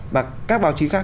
và các báo chí khác